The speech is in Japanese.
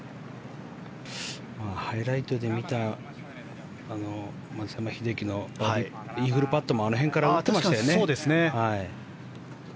ハイライトで見た松山英樹のイーグルパットもあの辺から打ってましたよね。